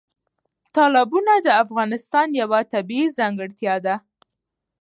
تالابونه د افغانستان یوه طبیعي ځانګړتیا ده.